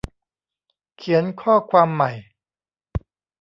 เขียนข้อความใหม่